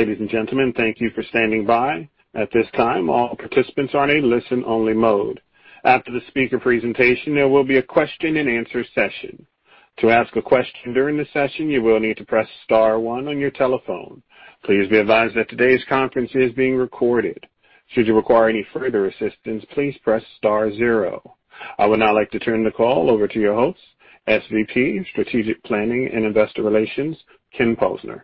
Ladies and gentlemen, thank you for standing by. At this time, all participants are in a listen-only mode. After the speaker presentation, there will be a question-and-answer session. To ask a question during the session, you will need to press star one on your telephone. Please be advised that today's conference is being recorded. Should you require any further assistance, please press star zero. I would now like to turn the call over to your host, SVP, Strategic Planning and Investor Relations, Kenneth Posner.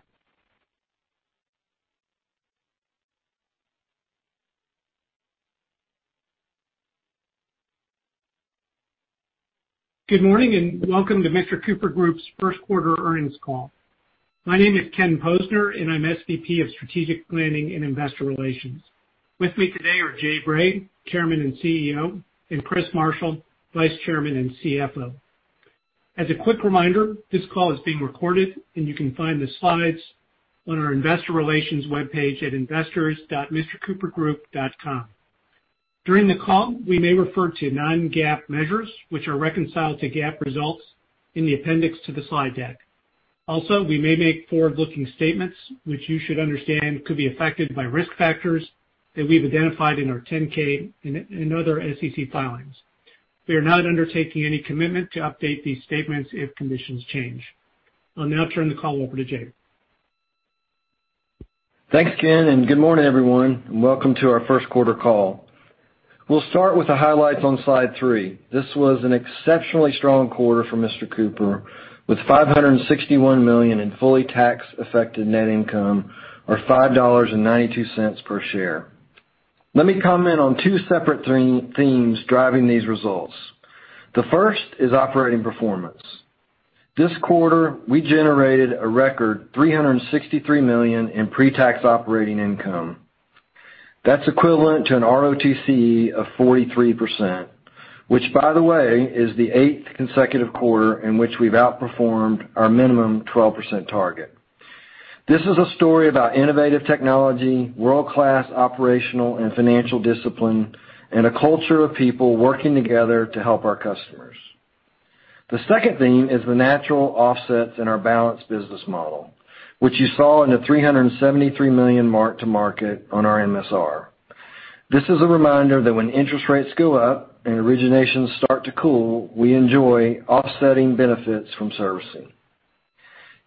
Good morning and welcome to Mr. Cooper Group's Q1 earnings call. My name is Kenneth Posner, and I'm SVP of Strategic Planning and Investor Relations. With me today are Jay Bray, Chairman and CEO, and Chris Marshall, Vice Chairman and CFO. As a quick reminder, this call is being recorded, and you can find the slides on our investor relations webpage at investors.mrcoopergroup.com. During the call, we may refer to non-GAAP measures, which are reconciled to GAAP results in the appendix to the slide deck. Also, we may make forward-looking statements, which you should understand could be affected by risk factors that we've identified in our 10K and other SEC filings. We are not undertaking any commitment to update these statements if conditions change. I'll now turn the call over to Jay. Thanks, Ken, and good morning, everyone, and welcome to our Q1 call. We'll start with the highlights on slide three. This was an exceptionally strong quarter for Mr. Cooper, with $561 million in fully tax-affected net income or $5.92 per share. Let me comment on two separate themes driving these results. The first is operating performance. This quarter, we generated a record $363 million in pre-tax operating income. That's equivalent to an ROTCE of 43%, which by the way, is the eighth consecutive quarter in which we've outperformed our minimum 12% target. This is a story about innovative technology, world-class operational and financial discipline, and a culture of people working together to help our customers. The second theme is the natural offsets in our balanced business model, which you saw in the $373 million mark-to-market on our MSR. This is a reminder that when interest rates go up and originations start to cool; we enjoy offsetting benefits from servicing.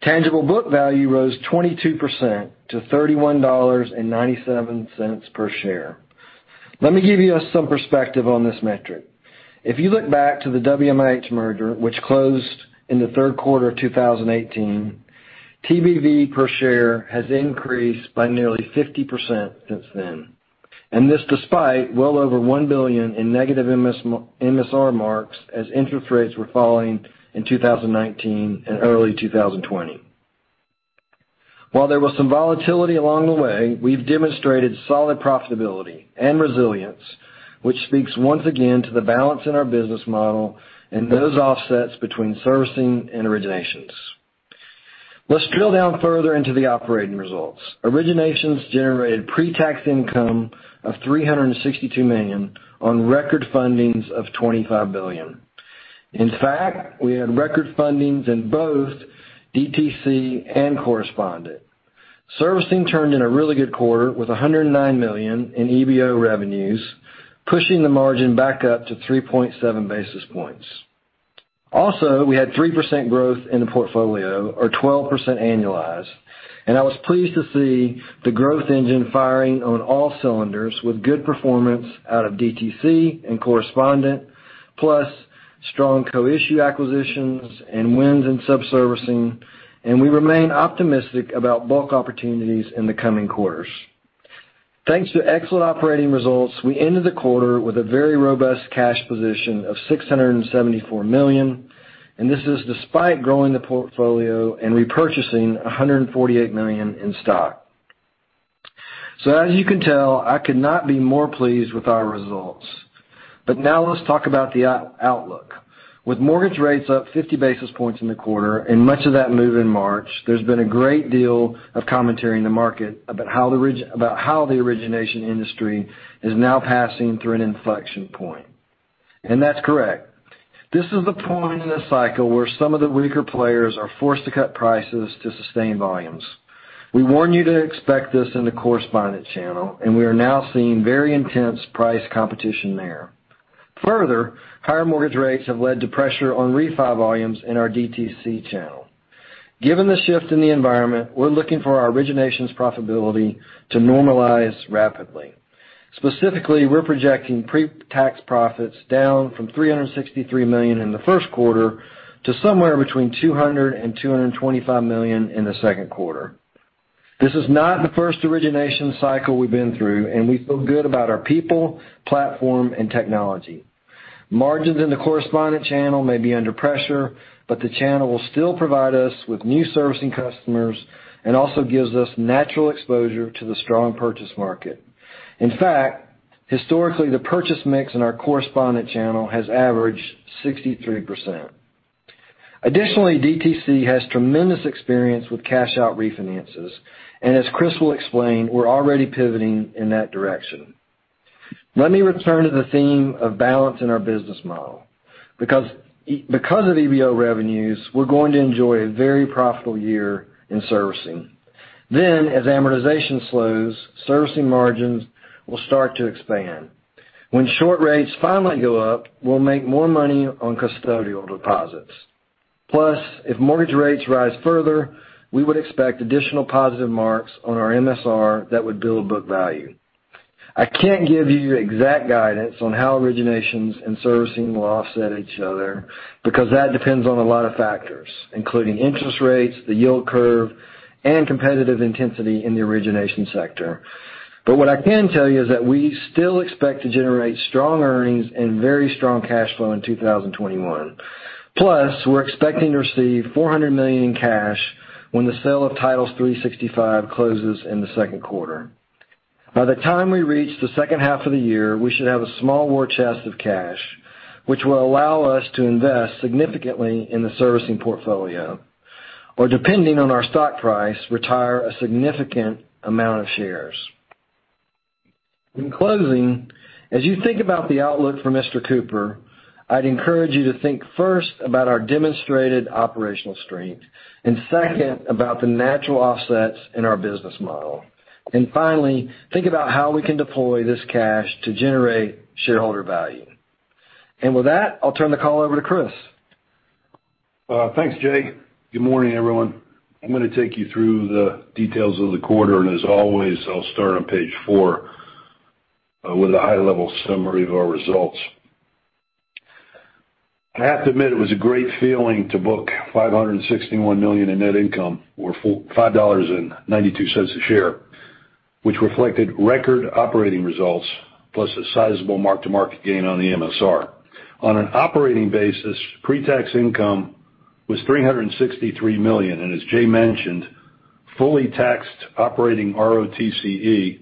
Tangible book value rose 22% to $31.97 per share. Let me give you some perspective on this metric. If you look back to the WMIH merger, which closed in the Q3 of 2018, TBV per share has increased by nearly 50% since then, and this despite well over $1 billion in negative MSR marks as interest rates were falling in 2019 and early 2020. While there was some volatility along the way, we've demonstrated solid profitability and resilience, which speaks once again to the balance in our business model and those offsets between servicing and originations. Let's drill down further into the operating results. Originations generated pre-tax income of $362 million on record fundings of $25 billion. In fact, we had record fundings in both DTC and correspondent. Servicing turned in a really good quarter with $109 million in EBO revenues, pushing the margin back up to 3.7-basis points. We had 3% growth in the portfolio or 12% annualized, and I was pleased to see the growth engine firing on all cylinders with good performance out of DTC and correspondent, plus strong co-issue acquisitions and wins in subservicing. We remain optimistic about bulk opportunities in the coming quarters. Thanks to excellent operating results, we ended the quarter with a very robust cash position of $674 million. This is despite growing the portfolio and repurchasing $148 million in stock. As you can tell, I could not be more pleased with our results. Now let's talk about the outlook. With mortgage rates up 50 basis points in the quarter and much of that move in March, there's been a great deal of commentary in the market about how the origination industry is now passing through an inflection point. That's correct. This is the point in the cycle where some of the weaker players are forced to cut prices to sustain volumes. We warn you to expect this in the correspondent channel, and we are now seeing very intense price competition there. Further, higher mortgage rates have led to pressure on refi volumes in our DTC channel. Given the shift in the environment, we're looking for our originations profitability to normalize rapidly. Specifically, we're projecting pre-tax profits down from $363 million in the Q1 to somewhere between $200 million and $225 million in the Q2. This is not the first origination cycle we've been through, and we feel good about our people, platform, and technology. Margins in the correspondent channel may be under pressure, but the channel will still provide us with new servicing customers and also gives us natural exposure to the strong purchase market. In fact, historically, the purchase mix in our correspondent channel has averaged 63%. Additionally, DTC has tremendous experience with cash-out refinances, and as Chris will explain, we're already pivoting in that direction. Let me return to the theme of balance in our business model. Because of EBO revenues, we're going to enjoy a very profitable year in servicing. As amortization slows, servicing margins will start to expand. When short rates finally go up, we'll make more money on custodial deposits. If mortgage rates rise further, we would expect additional positive marks on our MSR that would build book value. I can't give you exact guidance on how originations and servicing will offset each other because that depends on a lot of factors, including interest rates, the yield curve, and competitive intensity in the origination sector. What I can tell you is that we still expect to generate strong earnings and very strong cash flow in 2021. We're expecting to receive $400 million in cash when the sale of Title365 closes in the Q2. By the time we reach the H2 of the year, we should have a small war chest of cash, which will allow us to invest significantly in the servicing portfolio. Depending on our stock price, retire a significant number of shares. In closing, as you think about the outlook for Mr. Cooper, I'd encourage you to think first about our demonstrated operational strength, and second, about the natural offsets in our business model. Finally, think about how we can deploy this cash to generate shareholder value. With that, I'll turn the call over to Chris. Thanks, Jay. Good morning, everyone. I'm going to take you through the details of the quarter, and as always, I'll start on page four with a high-level summary of our results. I have to admit, it was a great feeling to book $561 million in net income, or $5.92 a share, which reflected record operating results plus a sizable mark-to-market gain on the MSR. On an operating basis, pre-tax income was $363 million, and as Jay mentioned, fully taxed operating ROTCE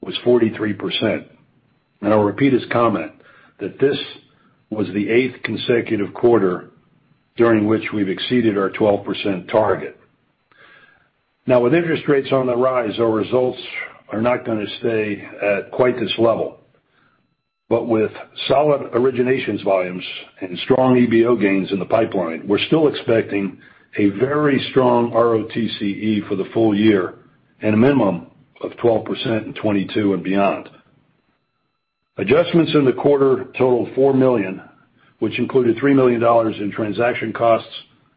was 43%. I'll repeat his comment that this was the eighth consecutive quarter during which we've exceeded our 12% target. With interest rates on the rise, our results are not going to stay at quite this level. With solid originations volumes and strong EBO gains in the pipeline, we're still expecting a very strong ROTCE for the full year and a minimum of 12% in 2022 and beyond. Adjustments in the quarter totaled $4 million, which included $3 million in transaction costs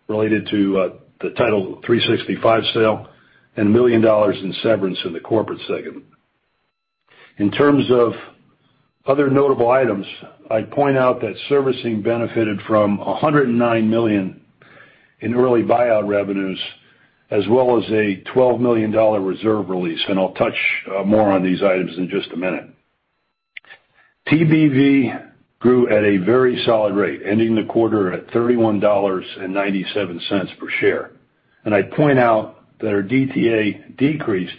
related to the Title365 sale and $1 million in severance in the corporate segment. In terms of other notable items, I'd point out that servicing benefited from $109 million in early buyout revenues, as well as a $12 million reserve release, and I'll touch more on these items in just a minute. TBV grew at a very solid rate, ending the quarter at $31.97 per share. I'd point out that our DTA decreased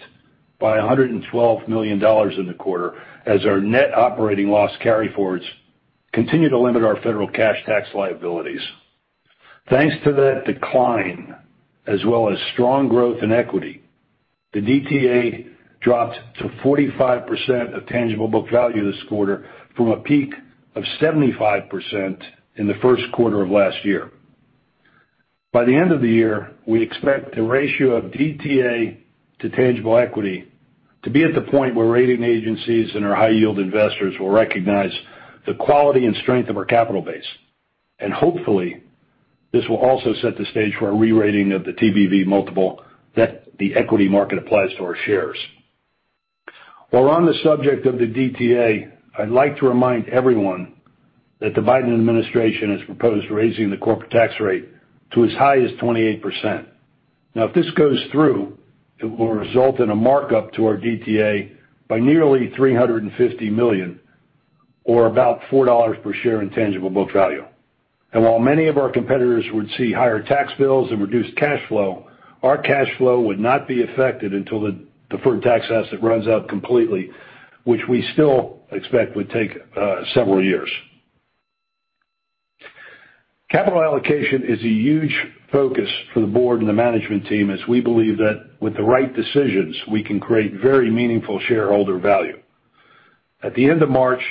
by $112 million in the quarter as our net operating loss carryforwards continue to limit our federal cash tax liabilities. Thanks to that decline, as well as strong growth in equity, the DTA dropped to 45% of tangible book value this quarter from a peak of 75% in the Q1 of last year. By the end of the year, we expect the ratio of DTA to tangible equity to be at the point where rating agencies and our high-yield investors will recognize the quality and strength of our capital base. Hopefully, this will also set the stage for a re-rating of the TBV multiple that the equity market applies to our shares. While on the subject of the DTA, I'd like to remind everyone that the Biden administration has proposed raising the corporate tax rate to as high as 28%. Now, if this goes through, it will result in a markup to our DTA by nearly $350 million or about $4 per share in tangible book value. While many of our competitors would see higher tax bills and reduced cash flow, our cash flow would not be affected until the deferred tax asset runs out completely, which we still expect would take several years. Capital allocation is a huge focus for the board and the management team, as we believe that with the right decisions, we can create very meaningful shareholder value. At the end of March,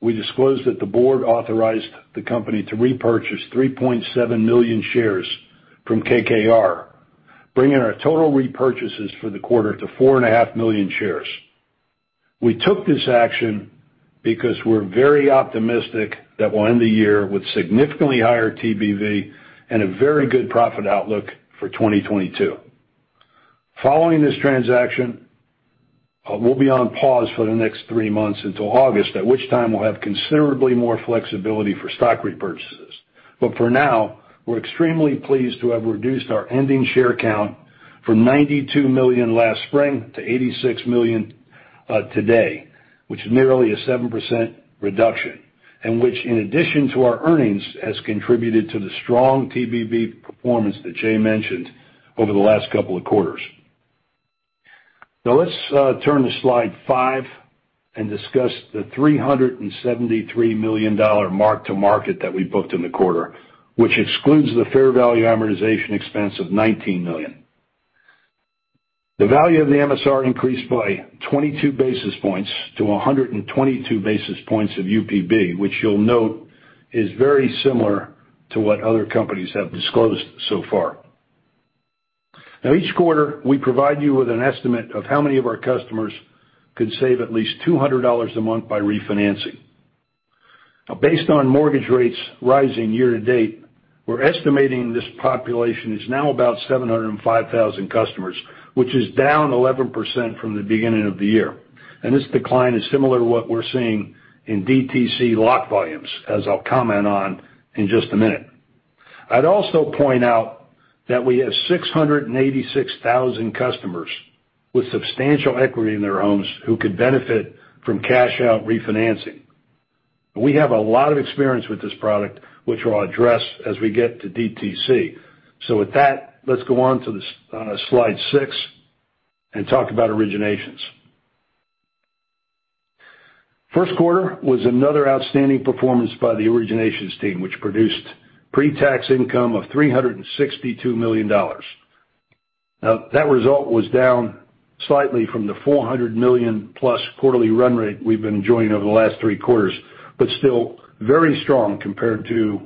we disclosed that the board authorized the company to repurchase 3.7 million shares from KKR, bringing our total repurchases for the quarter to 4.5 million shares. We took this action because we're very optimistic that we'll end the year with significantly higher TBV and a very good profit outlook for 2022. Following this transaction, we'll be on pause for the next three months until August, at which time we'll have considerably more flexibility for stock repurchases. For now, we're extremely pleased to have reduced our ending share count from 92 million last spring to 86 million today. Which is nearly a 7% reduction, and which, in addition to our earnings, has contributed to the strong TBV performance that Jay mentioned over the last couple of quarters. Let's turn to slide five and discuss the $373 million mark-to-market that we booked in the quarter, which excludes the fair value amortization expense of $19 million. The value of the MSR increased by 22-basis points to 122-basis points of UPB, which you'll note is very similar to what other companies have disclosed so far. Each quarter, we provide you with an estimate of how many of our customers could save at least $200 a month by refinancing. Based on mortgage rates rising year to date, we're estimating this population is now about 705,000 customers, which is down 11% from the beginning of the year. This decline is similar to what we're seeing in DTC lock volumes, as I'll comment on in just a minute. I'd also point out that we have 686,000 customers with substantial equity in their homes who could benefit from cash-out refinancing. We have a lot of experience with this product, which I'll address as we get to DTC. With that, let's go on to slide six and talk about originations. Q1 was another outstanding performance by the originations team, which produced pre-tax income of $362 million. That result was down slightly from the $400 million plus quarterly run rate we've been enjoying over the last three quarters, but still very strong compared to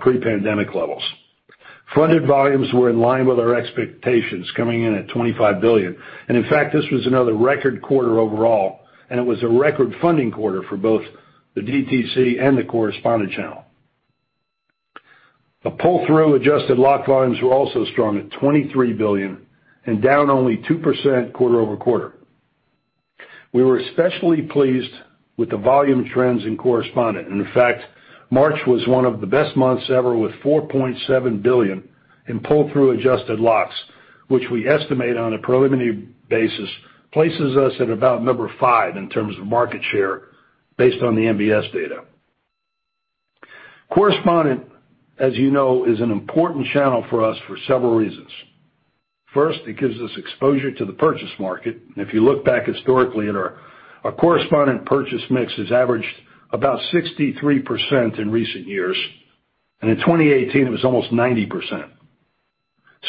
pre-pandemic levels. Funded volumes were in line with our expectations, coming in at $25 billion. In fact, this was another record quarter overall, and it was a record funding quarter for both the DTC and the correspondent channel. The pull-through adjusted lock volumes were also strong at $23 billion and down only 2% quarter-over-quarter. We were especially pleased with the volume trends in correspondent. In fact, March was one of the best months ever with $4.7 billion in pull-through adjusted locks, which we estimate on a preliminary basis, places us at about number 5 in terms of market share based on the MBS data. Correspondent, as you know, is an important channel for us for several reasons. First, it gives us exposure to the purchase market. If you look back historically at our correspondent purchase mix has averaged about 63% in recent years, in 2018, it was almost 90%.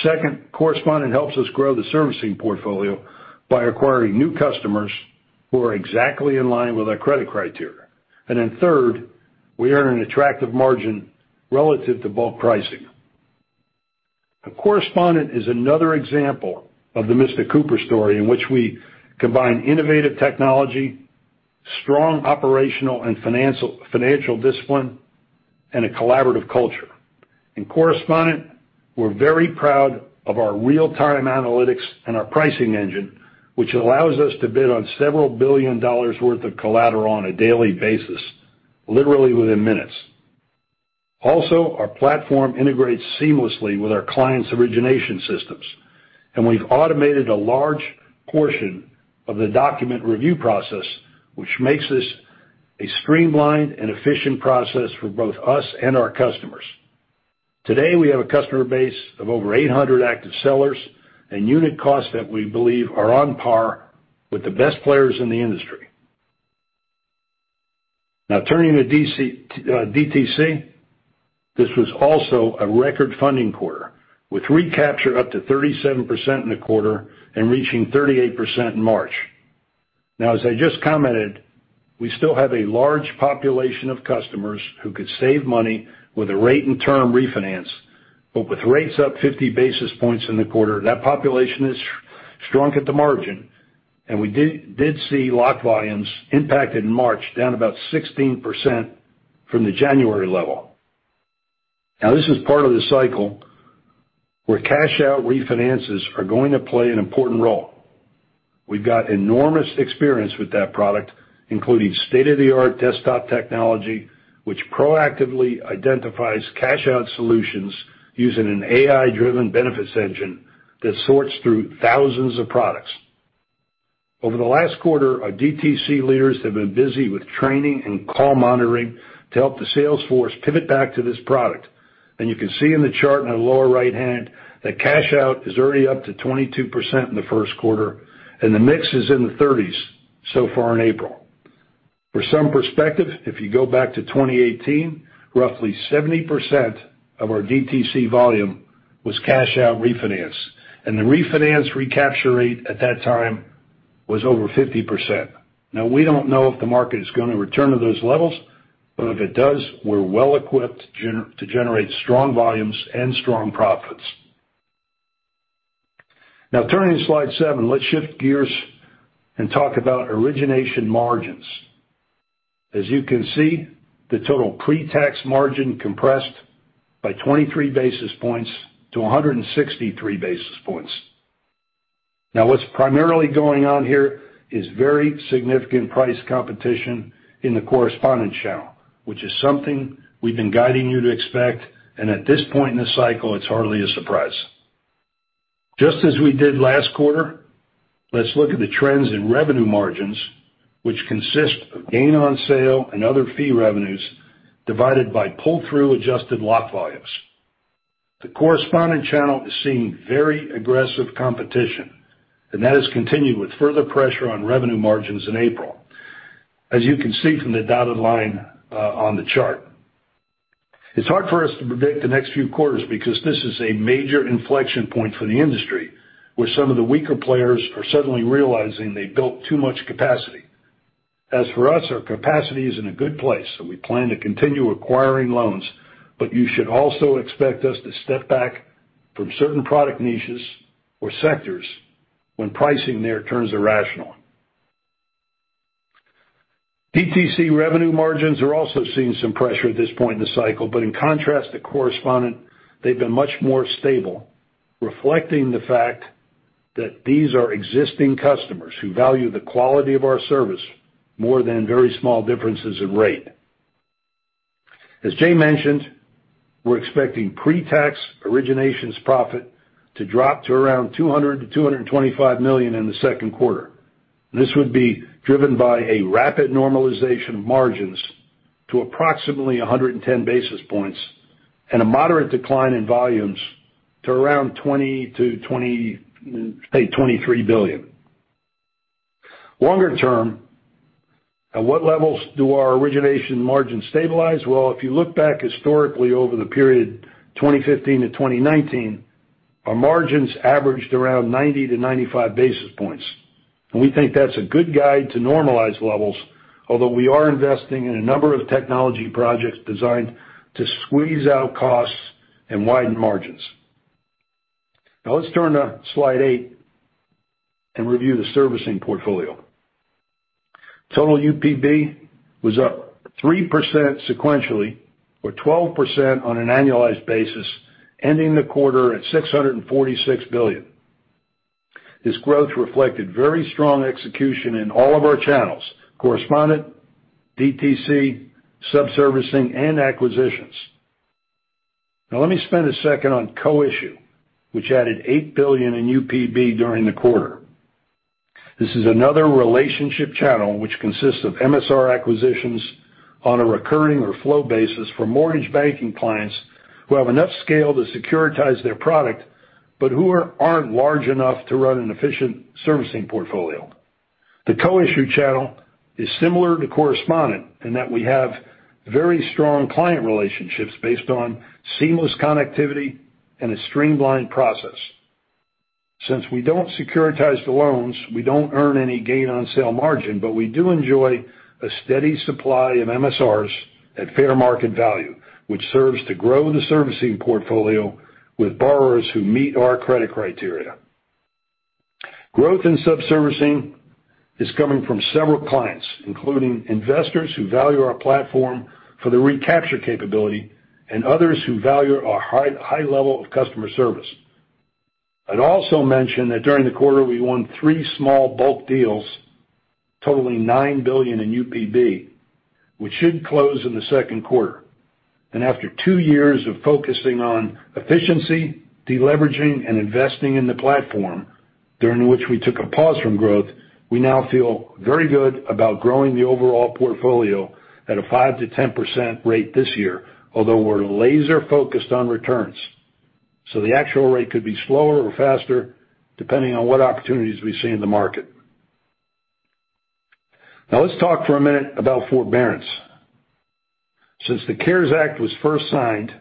Second, correspondent helps us grow the servicing portfolio by acquiring new customers who are exactly in line with our credit criteria. Third, we earn an attractive margin relative to bulk pricing. A correspondent is another example of the Mr. Cooper story in which we combine innovative technology, strong operational and financial discipline, and a collaborative culture. In correspondent, we're very proud of our real-time analytics and our pricing engine, which allows us to bid on several billion dollars' worth of collateral on a daily basis, literally within minutes. Our platform integrates seamlessly with our clients' origination systems, and we've automated a large portion of the document review process, which makes this a streamlined and efficient process for both us and our customers. Today, we have a customer base of over 800 active sellers and unit costs that we believe are on par with the best players in the industry. Turning to DTC. This was also a record funding quarter with recapture up to 37% in the quarter and reaching 38% in March. As I just commented, we still have a large population of customers who could save money with a rate and term refinance. With rates up 50 basis points in the quarter, that population has shrunk at the margin, and we did see lock volumes impacted in March, down about 16% from the January level. This is part of the cycle where cash-out refinances are going to play an important role. We've got enormous experience with that product, including state-of-the-art desktop technology, which proactively identifies cash-out solutions using an AI-driven benefits engine that sorts through thousands of products. Over the last quarter, our DTC leaders have been busy with training and call monitoring to help the sales force pivot back to this product. You can see in the chart in the lower right-hand that cash-out is already up to 22% in the Q1, and the mix is in the 30s so far in April. For some perspective, if you go back to 2018, roughly 70% of our DTC volume was cash-out refinance, and the refinance recapture rate at that time was over 50%. Now, we don't know if the market is going to return to those levels, but if it does, we're well equipped to generate strong volumes and strong profits. Now, turning to slide seven, let's shift gears and talk about origination margins. As you can see, the total pre-tax margin compressed by 23-basis points to 163-basis points. Now, what's primarily going on here is very significant price competition in the correspondent channel, which is something we've been guiding you to expect. At this point in the cycle, it's hardly a surprise. Just as we did last quarter, let's look at the trends in revenue margins, which consist of gain on sale and other fee revenues divided by pull-through adjusted lot volumes. The correspondent channel is seeing very aggressive competition, and that has continued with further pressure on revenue margins in April, as you can see from the dotted line on the chart. It's hard for us to predict the next few quarters because this is a major inflection point for the industry, where some of the weaker players are suddenly realizing they built too much capacity. As for us, our capacity is in a good place, and we plan to continue acquiring loans, but you should also expect us to step back from certain product niches or sectors when pricing there turns irrational. DTC revenue margins are also seeing some pressure at this point in the cycle. In contrast to correspondent, they've been much more stable, reflecting the fact that these are existing customers who value the quality of our service more than very small differences in rate. As Jay mentioned, we're expecting pretax originations profit to drop to around $200-$225 million in the Q2. This would be driven by a rapid normalization of margins to approximately 110-basis points and a moderate decline in volumes to around $20-$23 billion. Longer term, at what levels do our origination margins stabilize? Well, if you look back historically over the period 2015-2019, our margins averaged around 90-95-basis points. We think that's a good guide to normalized levels, although we are investing in a number of technology projects designed to squeeze out costs and widen margins. Now, let's turn to Slide eight and review the servicing portfolio. Total UPB was up 3% sequentially or 12% on an annualized basis, ending the quarter at $646 billion. This growth reflected very strong execution in all of our channels, correspondent, DTC, subservicing, and acquisitions. Let me spend a second on co-issue, which added $8 billion in UPB during the quarter. This is another relationship channel which consists of MSR acquisitions on a recurring or flow basis for mortgage banking clients who have enough scale to securitize their product, but who aren't large enough to run an efficient servicing portfolio. The co-issue channel is similar to correspondent in that we have very strong client relationships based on seamless connectivity and a streamlined process. Since we don't securitize the loans, we don't earn any gain on sale margin, but we do enjoy a steady supply of MSRs at fair market value, which serves to grow the servicing portfolio with borrowers who meet our credit criteria. Growth in subservicing is coming from several clients, including investors who value our platform for the recapture capability and others who value our high level of customer service. I'd also mention that during the quarter, we won three small bulk deals totaling $9 billion in UPB, which should close in the Q2. After two years of focusing on efficiency, deleveraging, and investing in the platform, during which we took a pause from growth, we now feel very good about growing the overall portfolio at a 5%-10% rate this year, although we're laser-focused on returns. The actual rate could be slower or faster, depending on what opportunities we see in the market. Now let's talk for a minute about forbearance. Since the CARES Act was first signed,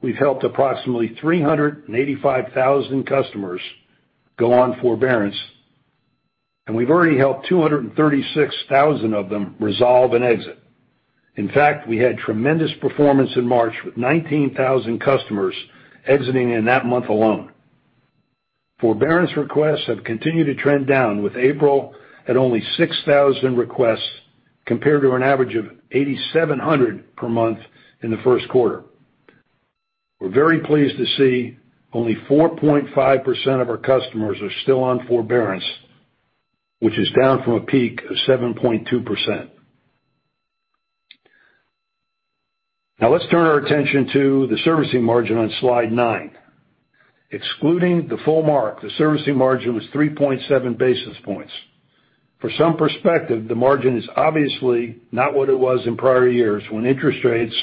we've helped approximately 385,000 customers go on forbearance, and we've already helped 236,000 of them resolve and exit. In fact, we had tremendous performance in March with 19,000 customers exiting in that month alone. Forbearance requests have continued to trend down, with April at only 6,000 requests compared to an average of 8,700 per month in the Q1. We're very pleased to see only 4.5% of our customers are still on forbearance, which is down from a peak of 7.2%. Now let's turn our attention to the servicing margin on Slide nine. Excluding the full mark, the servicing margin was 3.7-basis points. For some perspective, the margin is obviously not what it was in prior years when interest rates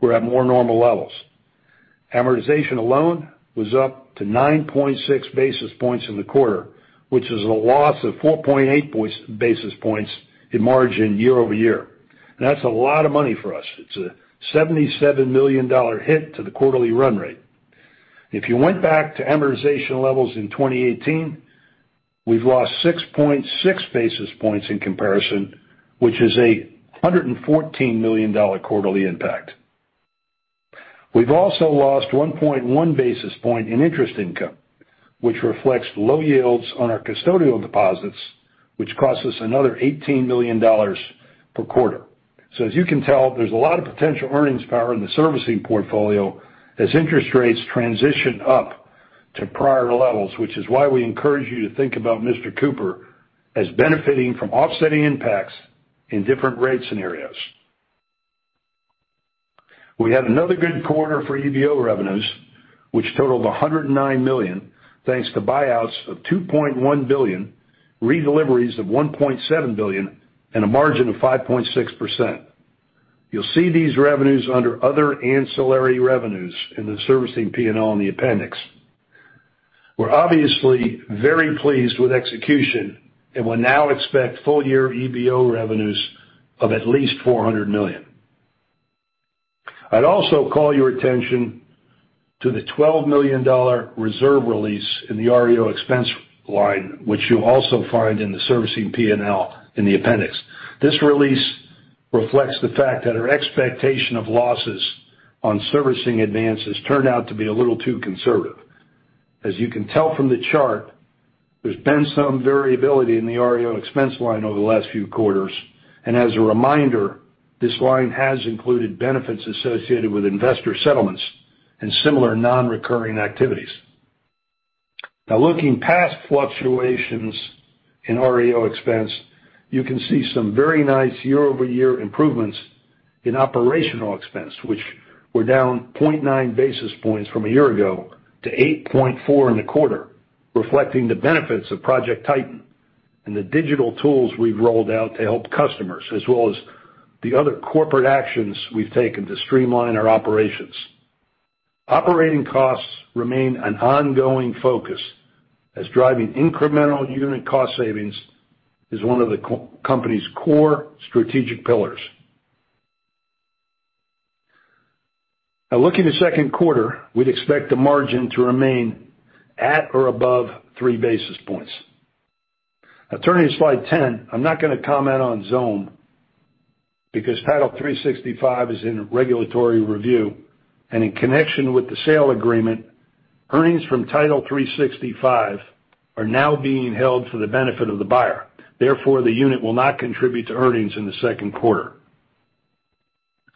were at more normal levels. Amortization alone was up to 9.6-basis points in the quarter, which is a loss of 4.8-basis points in margin year-over-year. That's a lot of money for us. It's a $77 million hit to the quarterly run rate. If you went back to amortization levels in 2018, we've lost 6.6-basis points in comparison, which is a $114 quarterly impact. We've also lost 1.1 basis point in interest income, which reflects low yields on our custodial deposits, which cost us another $18 million per quarter. As you can tell, there's a lot of potential earnings power in the servicing portfolio as interest rates transition up to prior levels, which is why we encourage you to think about Mr. Cooper as benefiting from offsetting impacts in different rate scenarios. We had another good quarter for EBO revenues, which totaled $109 million, thanks to buyouts of $2.1 billion, redeliveries of $1.7 billion, and a margin of 5.6%. You'll see these revenues under other ancillary revenues in the servicing P&L in the appendix. We're obviously very pleased with execution, and we now expect full year EBO revenues of at least $400 million. I'd also call your attention to the $12 million reserve release in the REO expense line, which you'll also find in the servicing P&L in the appendix. This release reflects the fact that our expectation of losses on servicing advances turned out to be a little too conservative. As you can tell from the chart, there's been some variability in the REO expense line over the last few quarters. As a reminder, this line has included benefits associated with investor settlements and similar non-recurring activities. Looking past fluctuations in REO expense, you can see some very nice year-over-year improvements in operational expense. Which were down 0.9-basis points from a year ago to 8.4 in the quarter, reflecting the benefits of Project Titan and the digital tools we've rolled out to help customers, as well as the other corporate actions we've taken to streamline our operations. Operating costs remain an ongoing focus as driving incremental unit cost savings is one of the company's core strategic pillars. Looking to Q2, we'd expect the margin to remain at or above three basis points. Turning to slide 10, I'm not going to comment on Xome because Title365 is in regulatory review. In connection with the sale agreement, earnings from Title365 are now being held for the benefit of the buyer. Therefore, the unit will not contribute to earnings in the Q2.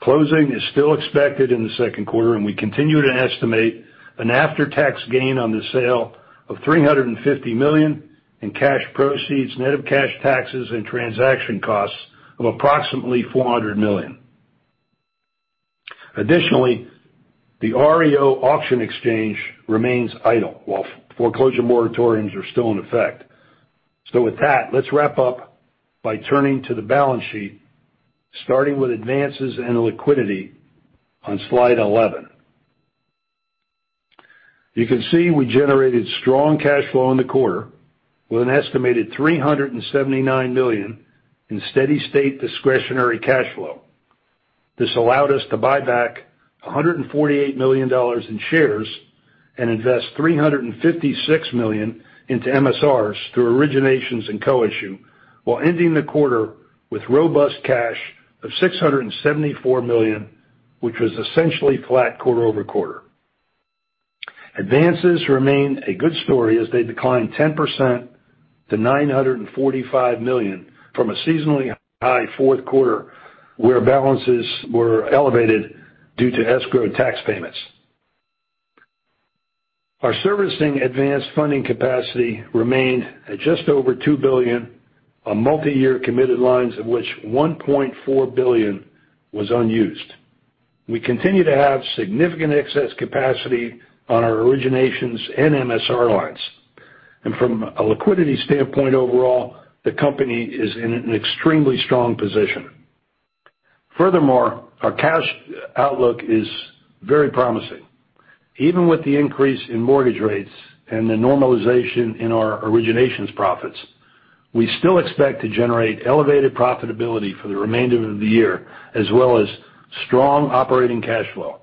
Closing is still expected in the Q2, and we continue to estimate an after-tax gain on the sale of $350 million in cash proceeds, net of cash taxes and transaction costs of approximately $400 million. Additionally, the REO auction exchange remains idle while foreclosure moratoriums are still in effect. With that, let's wrap up by turning to the balance sheet, starting with advances in liquidity on slide 11. You can see we generated strong cash flow in the quarter with an estimated $379 million in steady state discretionary cash flow. This allowed us to buy back $148 million in shares and invest $356 million into MSRs through originations and co-issue, while ending the quarter with robust cash of $674 million, which was essentially flat quarter over-quarter. Advances remain a good story as they decline 10% to $945 million from a seasonally high Q4, where balances were elevated due to escrow tax payments. Our servicing advanced funding capacity remained at just over $2 billion on multi-year committed lines, of which $1.4 billion was unused. We continue to have significant excess capacity on our originations and MSR lines. From a liquidity standpoint overall, the company is in an extremely strong position. Furthermore, our cash outlook is very promising. Even with the increase in mortgage rates and the normalization in our originations profits, we still expect to generate elevated profitability for the remainder of the year, as well as strong operating cash flow.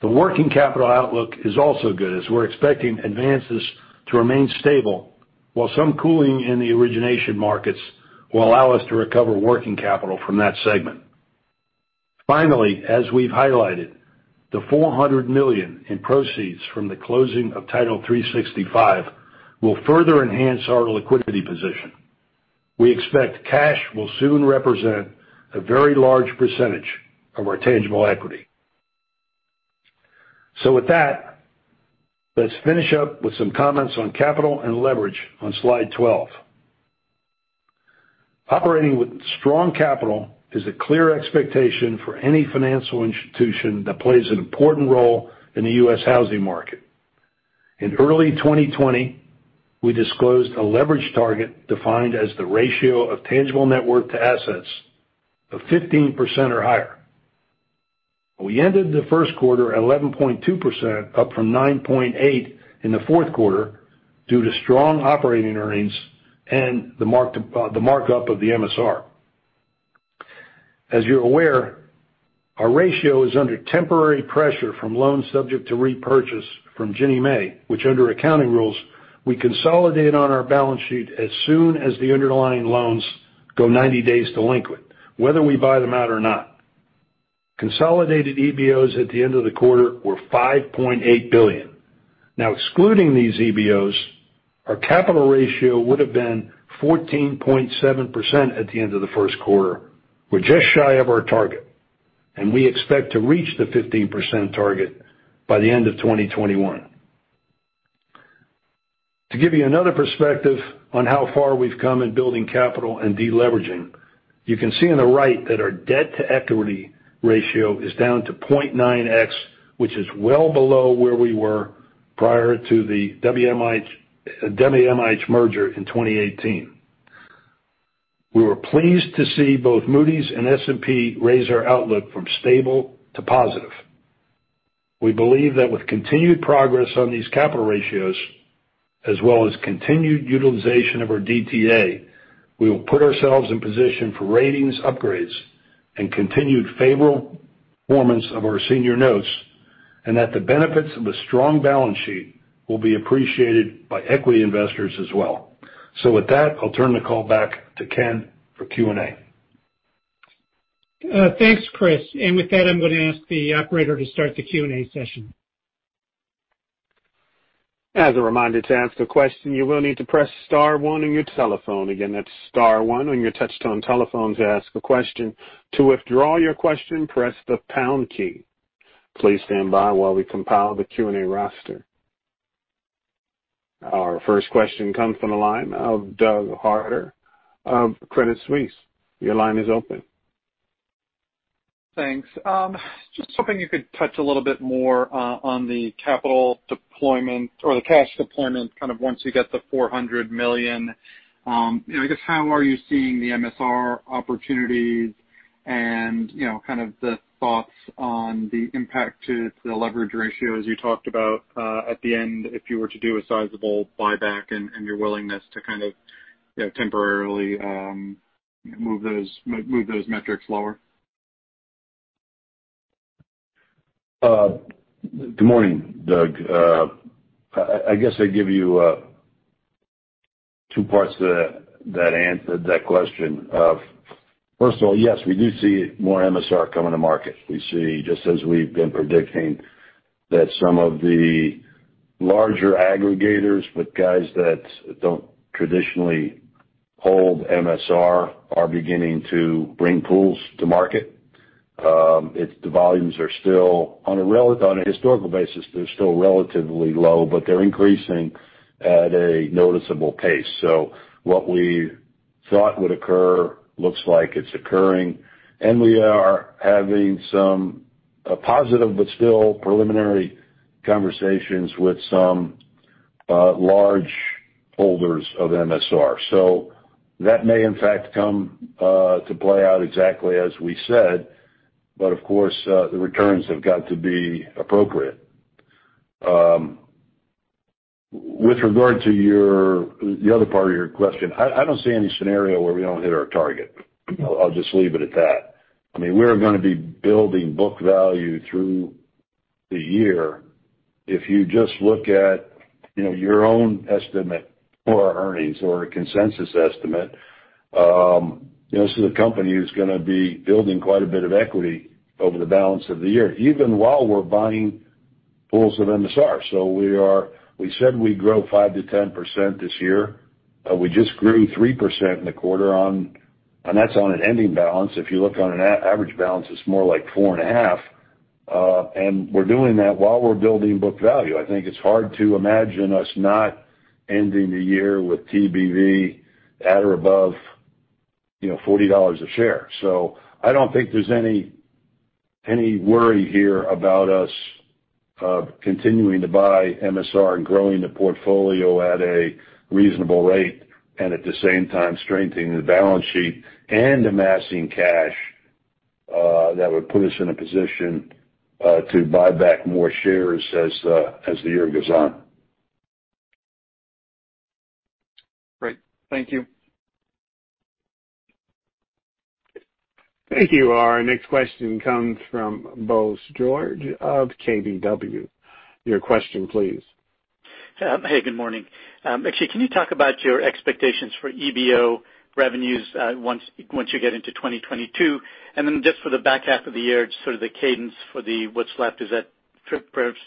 The working capital outlook is also good as we're expecting advances to remain stable while some cooling in the origination markets will allow us to recover working capital from that segment. As we've highlighted, the $400 million in proceeds from the closing of Title365 will further enhance our liquidity position. We expect cash will soon represent a very large percentage of our tangible equity. With that, let's finish up with some comments on capital and leverage on slide 12. Operating with strong capital is a clear expectation for any financial institution that plays an important role in the U.S. housing market. In early 2020, we disclosed a leverage target defined as the ratio of tangible net worth to assets of 15% or higher. We ended the Q1 at 11.2%, up from 9.8% in the Q4 due to strong operating earnings and the markup of the MSR. As you're aware, our ratio is under temporary pressure from loans subject to repurchase from Ginnie Mae, which under accounting rules, we consolidate on our balance sheet as soon as the underlying loans go 90 days delinquent, whether we buy them out or not. Consolidated EBOs at the end of the quarter were $5.8 billion. Excluding these EBOs, our capital ratio would have been 14.7% at the end of the Q1. We're just shy of our target, we expect to reach the 15% target by the end of 2021. To give you another perspective on how far we've come in building capital and deleveraging, you can see on the right that our debt-to-equity ratio is down to 0.9x, which is well below where we were prior to the WMIH merger in 2018. We were pleased to see both Moody's and S&P raise our outlook from stable to positive. We believe that with continued progress on these capital ratios, as well as continued utilization of our DTA, we will put ourselves in position for ratings upgrades and continued favorable performance of our senior notes, and that the benefits of a strong balance sheet will be appreciated by equity investors as well. With that, I'll turn the call back to Ken for Q&A. Thanks, Chris. With that, I'm going to ask the operator to start the Q&A session. As a reminder, to ask a question, you will need to press star one on your telephone. Again, that's star one on your touch-tone telephone to ask a question. To withdraw your question, press the pound key. Please stand by while we compile the Q&A roster. Our first question comes from the line of Douglas Harter of Credit Suisse. Your line is open. Thanks. Just hoping you could touch a little bit more on the capital deployment or the cash deployment, kind of once you get the $400 million. I guess, how are you seeing the MSR opportunities and kind of the thoughts on the impact to the leverage ratio, as you talked about at the end, if you were to do a sizable buyback and your willingness to kind of temporarily move those metrics lower? Good morning, Doug. I guess I'd give you two parts to that question. First of all, yes, we do see more MSR coming to market. We see, just as we've been predicting, that some of the larger aggregators with guys that don't traditionally hold MSR are beginning to bring pools to market. On a historical basis, the volumes are still relatively low, but they're increasing at a noticeable pace. What we thought would occur looks like it's occurring, and we are having some positive but still preliminary conversations with some large holders of MSR. That may in fact come to play out exactly as we said. Of course, the returns have got to be appropriate. With regard to the other part of your question, I don't see any scenario where we don't hit our target. I'll just leave it at that. I mean, we're going to be building book value through the year. If you just look at your own estimate for our earnings or a consensus estimate, this is a company who's going to be building quite a bit of equity over the balance of the year, even while we're buying pools of MSR. We said we'd grow 5%-10% this year. We just grew 3% in the quarter, and that's on an ending balance. If you look on an average balance, it's more like four and a half. We're doing that while we're building book value. I think it's hard to imagine us not ending the year with TBV at or above $40 a share. I don't think there's any worry here about us continuing to buy MSR and growing the portfolio at a reasonable rate, and at the same time strengthening the balance sheet and amassing cash that would put us in a position to buy back more shares as the year goes on. Great. Thank you. Thank you. Our next question comes from Bose George of KBW. Your question, please. Hey, good morning. Actually, can you talk about your expectations for EBO revenues once you get into 2022? Just for the back half of the year, just sort of the cadence for what's left. Is that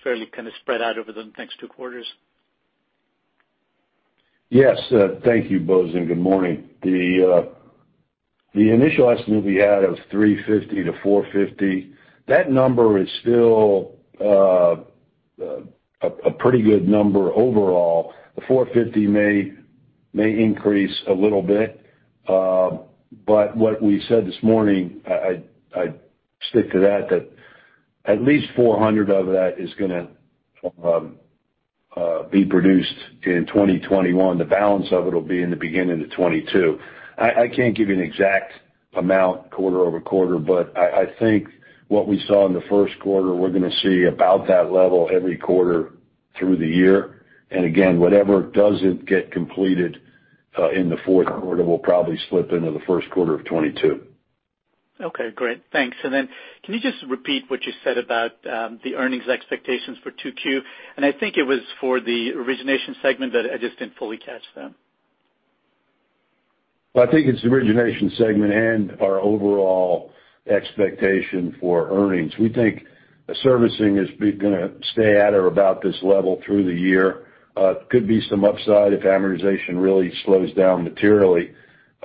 fairly kind of spread out over the next two quarters? Yes. Thank you, Bose, good morning. The initial estimate we had of 350-450, that number is still a pretty good number overall. The 450 may increase a little bit. What we said this morning, I stick to that at least 400 of that is going to be produced in 2021. The balance of it will be in the beginning of 2022. I can't give you an exact amount quarter-over-quarter, but I think what we saw in the Q1, we're going to see about that level every quarter through the year. Again, whatever doesn't get completed in the Q4 will probably slip into the Q1 of 2022. Okay, great. Thanks. Can you just repeat what you said about the earnings expectations for 2Q? I think it was for the origination segment, I just didn't fully catch them. Well, I think it's the origination segment and our overall expectation for earnings. We think the servicing is going to stay at or about this level through the year. Could be some upside if amortization really slows down materially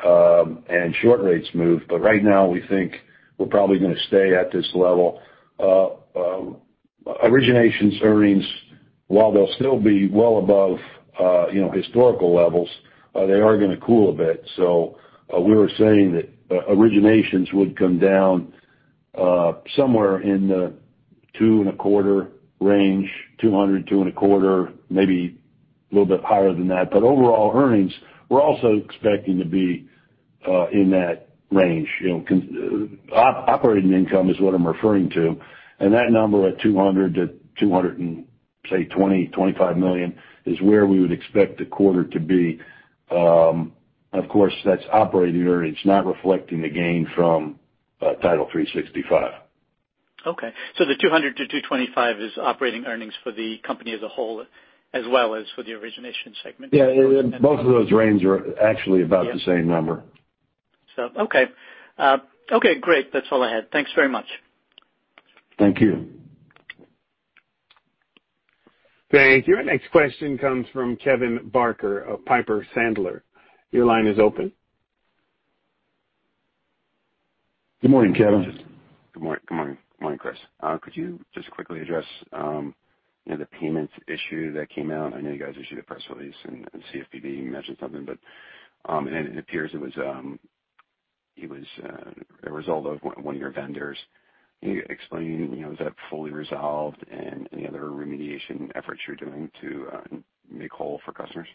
and short rates move. Right now, we think we're probably going to stay at this level. Originations earnings, while they'll still be well above historical levels, they are going to cool a bit. We were saying that originations would come down somewhere in the two and a quarter range, $200 million, two and a quarter, maybe a little bit higher than that. Overall earnings, we're also expecting to be in that range. Operating income is what I'm referring to, and that number at $220-$225 million is where we would expect the quarter to be. Of course, that's operating earnings, not reflecting the gain from Title365. Okay. The $200-$225 is operating earnings for the company as a whole, as well as for the Origination Segment. Yeah. Both of those range are actually about the same number. Okay. Okay, great. That's all I had. Thanks very much. Thank you. Thank you. Our next question comes from Kevin Barker of Piper Sandler. Your line is open. Good morning, Kevin. Good morning. Good morning, Chris. Could you just quickly address the payments issue that came out? I know you guys issued a press release and CFPB mentioned something. It appears it was a result of one of your vendors. Can you explain, is that fully resolved and any other remediation efforts you're doing to make whole for customers?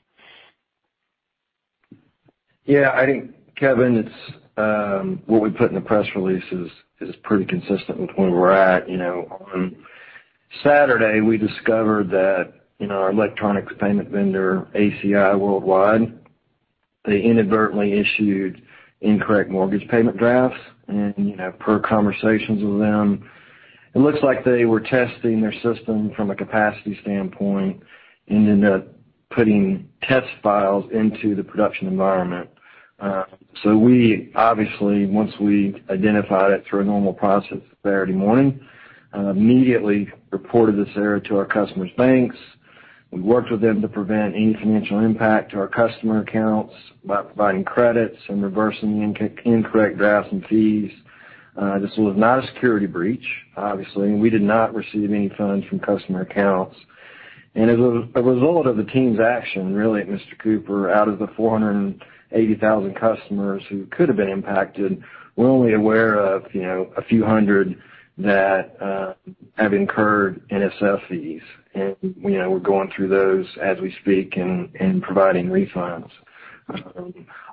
Yeah. I think Kevin Barker, what we put in the press release is pretty consistent with where we're at. On Saturday, we discovered that our electronics payment vendor, ACI Worldwide, they inadvertently issued incorrect mortgage payment drafts. Per conversations with them, it looks like they were testing their system from a capacity standpoint and ended up putting test files into the production environment. We, obviously, once we identified it through a normal process Saturday morning, immediately reported this error to our customers' banks. We worked with them to prevent any financial impact to our customer accounts by providing credits and reversing the incorrect drafts and fees. This was not a security breach, obviously, and we did not receive any funds from customer accounts. As a result of the team's action, really, Mr. Cooper, out of the 480,000 customers who could have been impacted, we're only aware of a few hundred that have incurred NSF fees. We're going through those as we speak and providing refunds.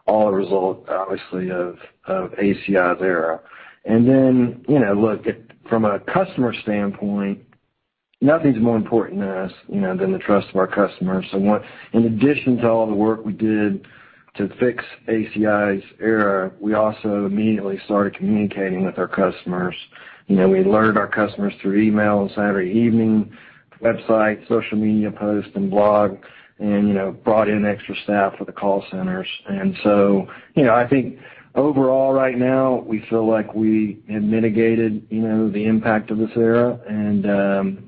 All a result, obviously, of ACI's error. Look, from a customer standpoint, nothing's more important to us than the trust of our customers. In addition to all the work we did to fix ACI's error, we also immediately started communicating with our customers. We alerted our customers through email on Saturday evening, website, social media post, and blog, and brought in extra staff for the call centers. I think overall right now, we feel like we have mitigated the impact of this error, and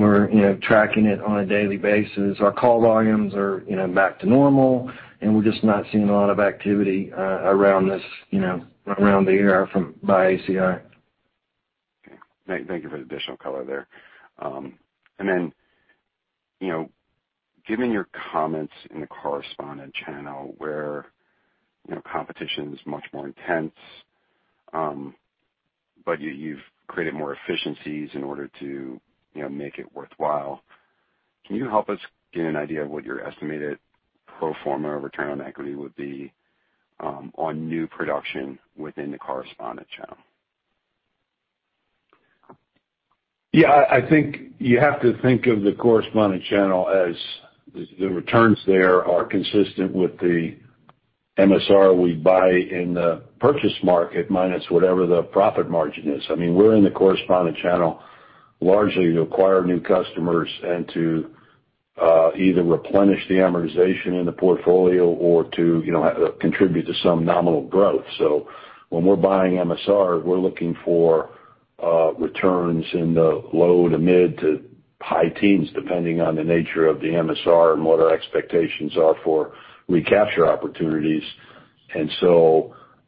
we're tracking it on a daily basis. Our call volumes are back to normal, and we're just not seeing a lot of activity around the error by ACI. Okay. Thank you for the additional color there. Given your comments in the correspondent channel where competition's much more intense, but you've created more efficiencies in order to make it worthwhile. Can you help us get an idea of what your estimated pro forma return on equity would be on new production within the correspondent channel? Yeah, I think you have to think of the correspondent channel as the returns there are consistent with the MSR we buy in the purchase market, minus whatever the profit margin is. We're in the correspondent channel largely to acquire new customers and to either replenish the amortization in the portfolio or to contribute to some nominal growth. When we're buying MSR, we're looking for returns in the low to mid to high teens, depending on the nature of the MSR and what our expectations are for recapture opportunities.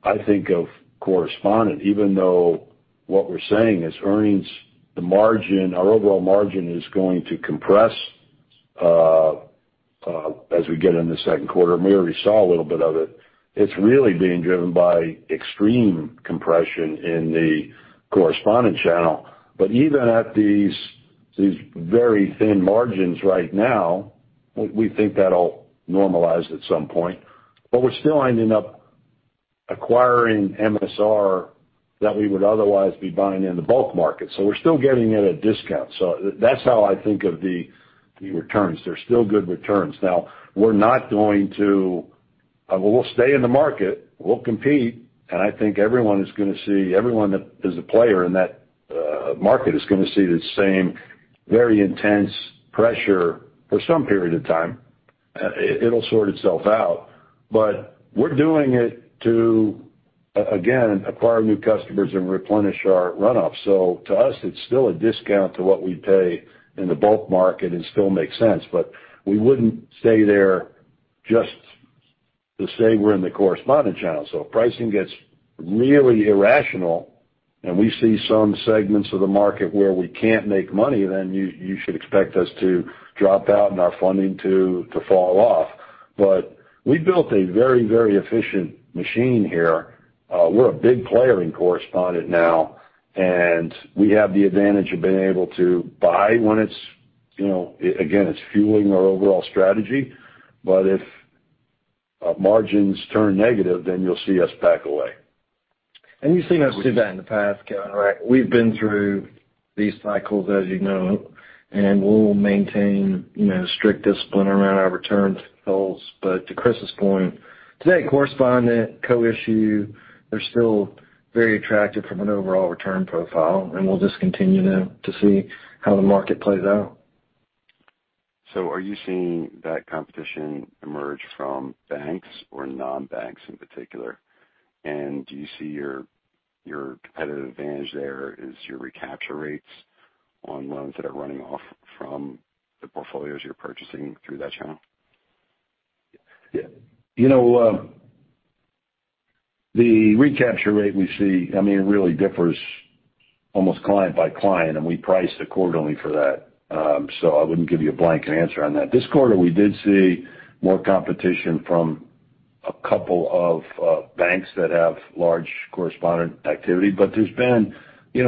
I think of correspondent, even though what we're saying is earnings, our overall margin is going to compress, as we get in the Q2, maybe we saw a little bit of it. It's really being driven by extreme compression in the correspondent channel. Even at these very thin margins right now, we think that'll normalize at some point. We're still ending up acquiring MSR that we would otherwise be buying in the bulk market. We're still getting it at a discount. That's how I think of the returns. They're still good returns. Now, we'll stay in the market, we'll compete, and I think everyone that is a player in that market is going to see the same very intense pressure for some period of time. It'll sort itself out, but we're doing it to, again, acquire new customers and replenish our runoff. To us, it's still a discount to what we pay in the bulk market and still makes sense. We wouldn't stay there just to say we're in the correspondent channel. If pricing gets really irrational and we see some segments of the market where we can't make money, then you should expect us to drop out and our funding to fall off. We've built a very, very efficient machine here. We're a big player in correspondent now, and we have the advantage of being able to buy when it's again. It's fueling our overall strategy. If margins turn negative, then you'll see us back away. You've seen us do that in the past, Kevin, right? We've been through these cycles, as you know, and we'll maintain strict discipline around our return goals. To Chris's point, today, correspondent, co-issue, they're still very attractive from an overall return profile, and we'll just continue to see how the market plays out. Are you seeing that competition emerge from banks or non-banks in particular? Do you see your competitive advantage there is your recapture rates on loans that are running off from the portfolios you're purchasing through that channel? The recapture rate we see, really differs almost client by client, and we price accordingly for that. I wouldn't give you a blanket answer on that. This quarter, we did see more competition from a couple of banks that have large correspondent activity.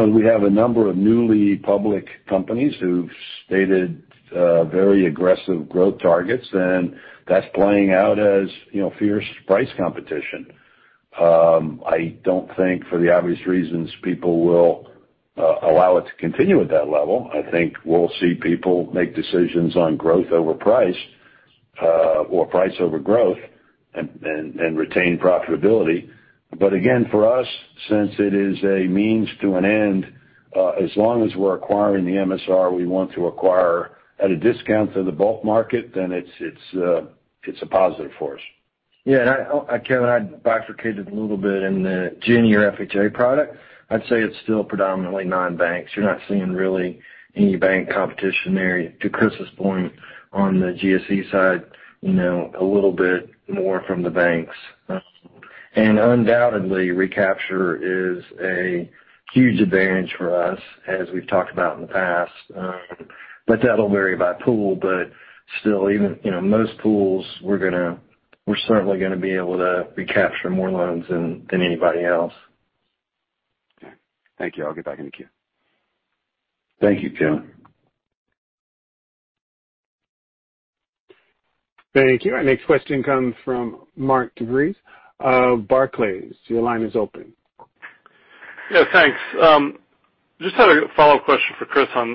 We have a number of newly public companies who've stated very aggressive growth targets, and that's playing out as fierce price competition. I don't think for the obvious reasons, people will allow it to continue at that level. I think we'll see people make decisions on growth over price, or price over growth and retain profitability. Again, for us, since it is a means to an end, as long as we're acquiring the MSR we want to acquire at a discount to the bulk market, then it's a positive for us. Yeah. Kevin, I'd bifurcate it a little bit in the Ginnie or FHA product. I'd say it's still predominantly non-banks. You're not seeing really any bank competition there. To Chris's point on the GSE side, a little bit more from the banks. Undoubtedly, recapture is a huge advantage for us, as we've talked about in the past. That'll vary by pool, but still, even most pools, we're certainly going to be able to recapture more loans than anybody else. Okay. Thank you. I'll get back in the queue. Thank you, Kevin. Thank you. Our next question comes from Mark DeVries of Barclays. Your line is open. Yeah. Thanks. Just had a follow-up question for Chris on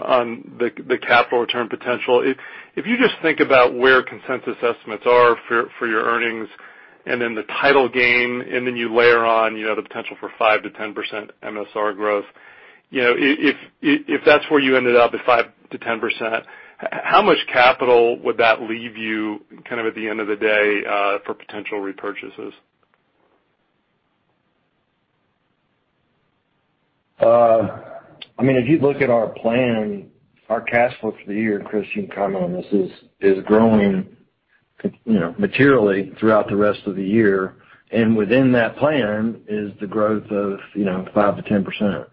the capital return potential. If you just think about where consensus estimates are for your earnings and then the title gain, and then you layer on the potential for 5%-10% MSR growth. If that's where you ended up at 5%-10%, how much capital would that leave you kind of at the end of the day, for potential repurchases? If you look at our plan, our cash flow for the year, and Chris, you can comment on this, is growing materially throughout the rest of the year. Within that plan is the growth of 5%-10%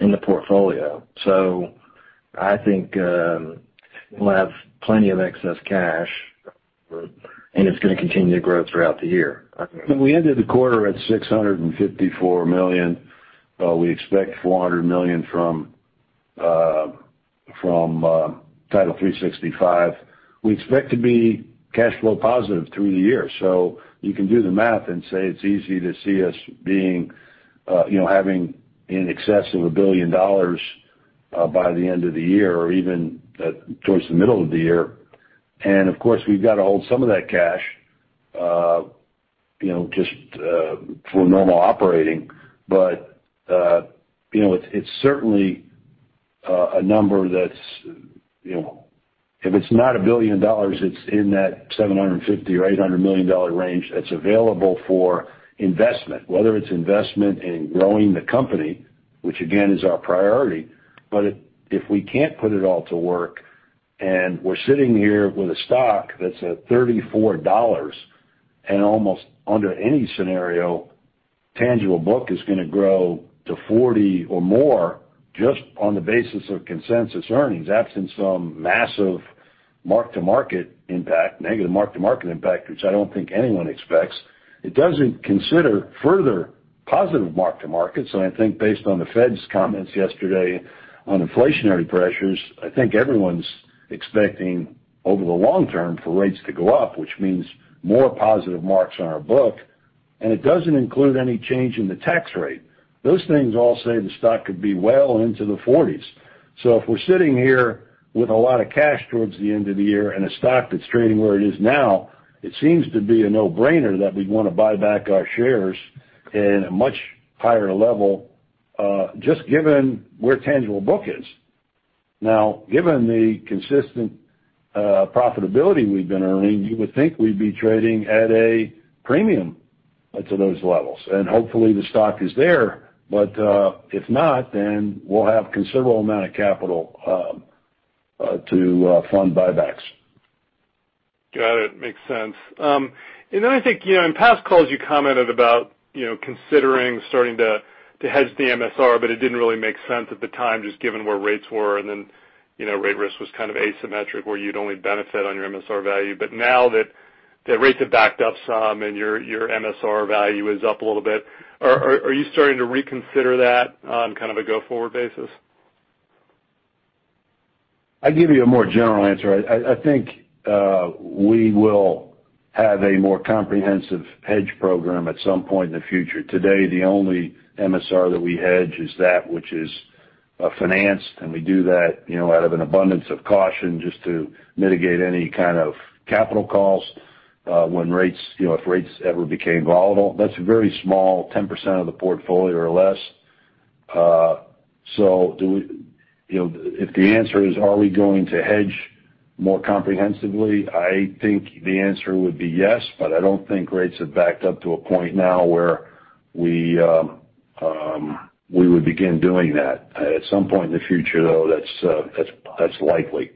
in the portfolio. I think, we'll have plenty of excess cash, and it's going to continue to grow throughout the year. We ended the quarter at $654 million. We expect $400 million from Title365. We expect to be cash flow positive through the year. You can do the math and say it's easy to see us having in excess of $1 billion dollars by the end of the year or even towards the middle of the year. Of course, we've got to hold some of that cash just for normal operating. It's certainly a number that's, if it's not $1 billion dollars, it's in that $750 million or $800 million range that's available for investment. Whether it's investment in growing the company, which again, is our priority. If we can't put it all to work and we're sitting here with a stock that's at $34 and almost under any scenario, tangible book is going to grow to 40 or more just on the basis of consensus earnings, absent some massive mark-to-market impact, negative mark-to-market impact, which I don't think anyone expects. It doesn't consider further positive mark-to-market. I think based on the Fed's comments yesterday on inflationary pressures, I think everyone's expecting over the long term for rates to go up, which means more positive marks on our book, and it doesn't include any change in the tax rate. Those things all say the stock could be well into the 40s. If we're sitting here with a lot of cash towards the end of the year and a stock that's trading where it is now, it seems to be a no-brainer that we'd want to buy back our shares at a much higher level, just given where tangible book is. Given the consistent profitability we've been earning, you would think we'd be trading at a premium to those levels, and hopefully the stock is there. If not, then we'll have considerable amount of capital to fund buybacks. Got it. Makes sense. I think, in past calls you commented about considering starting to hedge the MSR, but it didn't really make sense at the time, just given where rates were, and rate risk was kind of asymmetric, where you'd only benefit on your MSR value. Now that, rates have backed up some and your MSR value is up a little bit. Are you starting to reconsider that on kind of a go-forward basis? I'll give you a more general answer. I think we will have a more comprehensive hedge program at some point in the future. Today, the only MSR that we hedge is that which is financed, and we do that out of an abundance of caution just to mitigate any kind of capital calls, if rates ever became volatile. That's very small, 10% of the portfolio or less. If the answer is, are we going to hedge more comprehensively? I think the answer would be yes, but I don't think rates have backed up to a point now where we would begin doing that. At some point in the future, though, that's likely.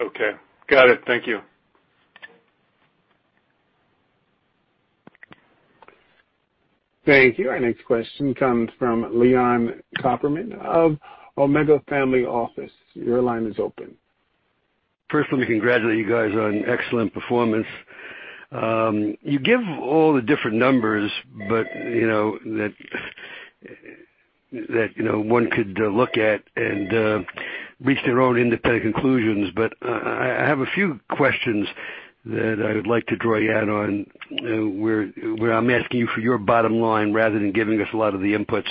Okay. Got it. Thank you. Thank you. Our next question comes from Leon Cooperman of Omega Family Office. Your line is open. First, let me congratulate you guys on an excellent performance. You give all the different numbers. One could look at and reach their own independent conclusions. I have a few questions that I would like to draw you out on, where I am asking you for your bottom line rather than giving us a lot of the inputs.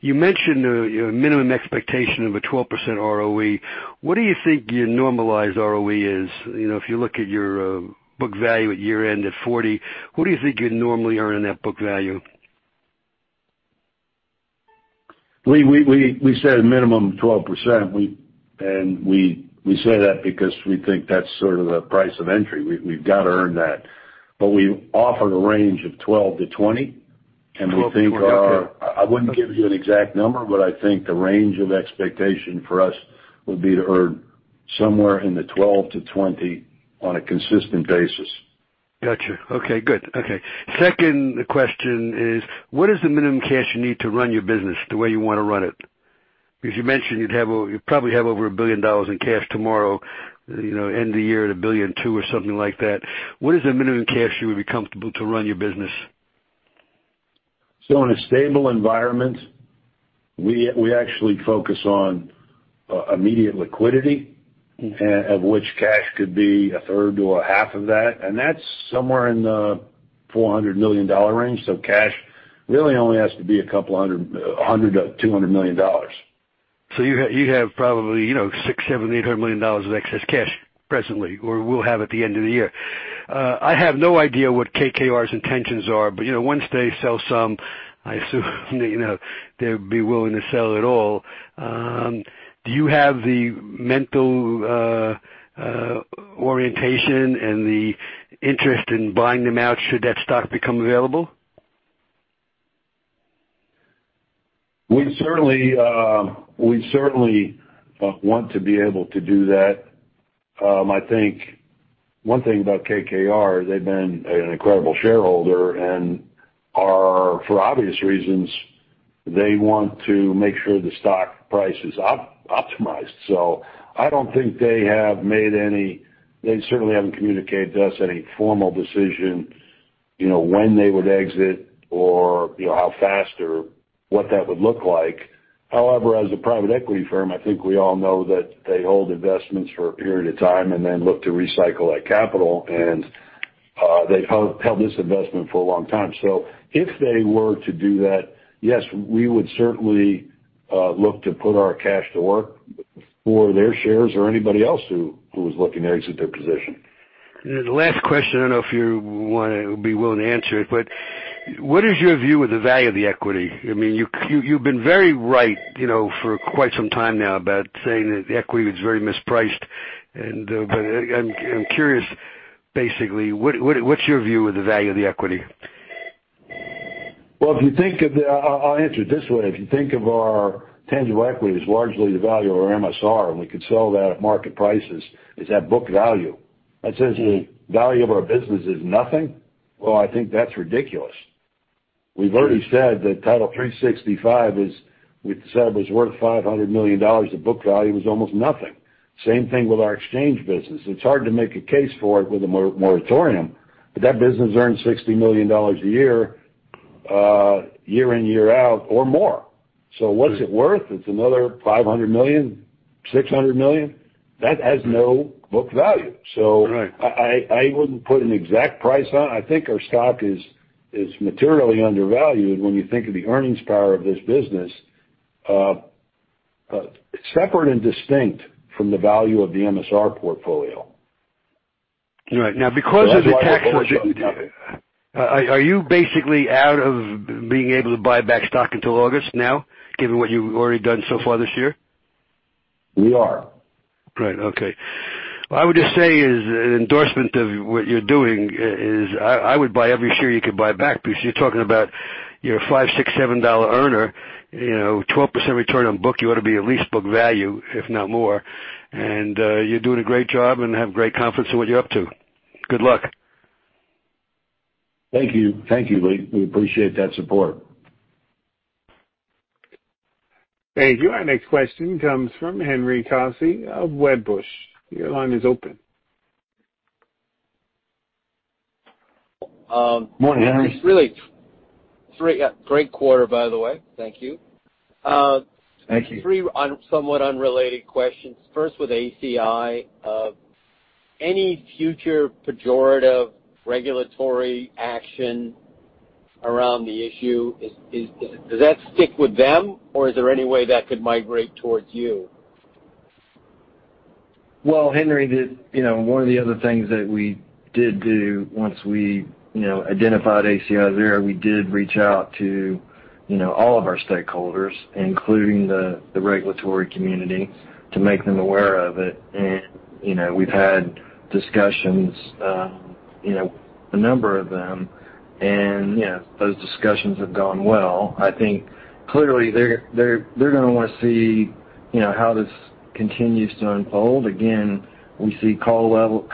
You mentioned your minimum expectation of a 12% ROE. What do you think your normalized ROE is? If you look at your book value at year-end at 40, what do you think you would normally earn in that book value? We set a minimum of 12%, and we say that because we think that's sort of the price of entry. We've got to earn that. We offer the range of 12%-20%. 12 to 20. Okay. We think, I wouldn't give you an exact number, but I think the range of expectation for us would be to earn somewhere in the 12%-20% on a consistent basis. Got you. Okay, good. Okay. Second question is, what is the minimum cash you need to run your business the way you want to run it? You mentioned you'd probably have over $1 billion in cash tomorrow, end of the year at $1.2 billion or something like that. What is the minimum cash you would be comfortable to run your business? In a stable environment, we actually focus on immediate liquidity, of which cash could be a third to a half of that, and that's somewhere in the $400 million range. Cash really only has to be a couple hundred, $100-$200 million. You have probably six, seven, $800 million of excess cash presently, or will have at the end of the year. I have no idea what KKR's intentions are, but once they sell some, I assume they'd be willing to sell it all. Do you have the mental orientation and the interest in buying them out should that stock become available? We'd certainly want to be able to do that. I think one thing about KKR, they've been an incredible shareholder and are, for obvious reasons, they want to make sure the stock price is optimized. They certainly haven't communicated to us any formal decision, when they would exit or how fast or what that would look like. However, as a private equity firm, I think we all know that they hold investments for a period of time and then look to recycle that capital, and they've held this investment for a long time. If they were to do that, yes, we would certainly look to put our cash to work for their shares or anybody else who is looking to exit their position. The last question, I don't know if you want to be willing to answer it, but what is your view of the value of the equity? You've been very right for quite some time now about saying that the equity is very mispriced. I'm curious, basically, what's your view of the value of the equity? Well, I'll answer it this way. If you think of our tangible equity as largely the value of our MSR, and we could sell that at market prices, it's at book value. That says the value of our business is nothing. Well, I think that's ridiculous. We've already said that Title365, we've said was worth $500 million. The book value was almost nothing. Same thing with our exchange business. That business earns $60 million a year in, year out, or more. What's it worth? It's another $500 million, $600 million. That has no book value. Right. I wouldn't put an exact price on it. I think our stock is materially undervalued when you think of the earnings power of this business, separate and distinct from the value of the MSR portfolio. Right. Now, because of the tax legend- That's why the 12 comes from. Are you basically out of being able to buy back stock until August now, given what you've already done so far this year? We are. Right. Okay. What I would just say as an endorsement of what you're doing is I would buy every share you could buy back because you're talking about your $5, $6, $7 earner, 12% return on book, you ought to be at least book value, if not more. You're doing a great job and have great confidence in what you're up to. Good luck. Thank you, Leon. We appreciate that support. Thank you. Our next question comes from Henry Coffey of Wedbush. Your line is open. Morning, Henry. Really great quarter, by the way. Thank you. Thank you. Three somewhat unrelated questions. First, with ACI, any future pejorative regulatory action around the issue, does that stick with them, or is there any way that could migrate towards you? Well, Henry, one of the other things that we did do once we identified ACI there, we did reach out to all of our stakeholders, including the regulatory community, to make them aware of it. We've had discussions, a number of them, and those discussions have gone well. I think clearly, they're going to want to see how this continues to unfold. Again, we see call